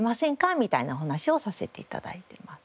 みたいなお話をさせて頂いています。